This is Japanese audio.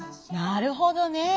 なるほどね。